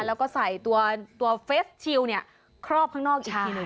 แล้วก็ใส่ตัวเฟสชิลครอบข้างนอกอีกทีหนึ่ง